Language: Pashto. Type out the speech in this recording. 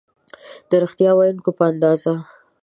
د ریښتیا ویونکي په اندازه